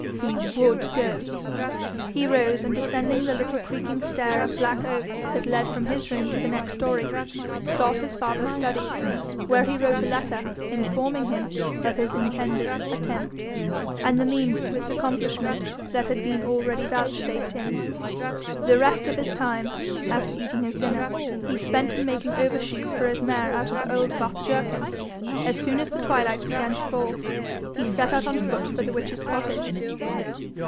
He WOULD go. He rose, and descending the little creaking stair of black oak that led from his room to the next storey, sought his father's study, where he wrote a letter informing him of his intended attempt, and the means to its accomplishment that had been already vouchsafed him. The rest of his time, after eating his dinner, he spent in making overshoes for his mare out of an old buff jerkin. As soon as the twilight began to fall, he set out on foot for the witch's cottage.